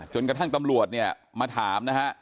จนกระทั่งตำรวจเนี่ยมาถามนะฮะ